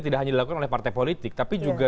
tidak hanya dilakukan oleh partai politik tapi juga